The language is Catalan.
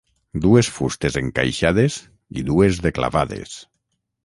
Dues fustes encaixades i dues de clavades.